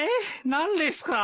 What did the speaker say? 何ですか？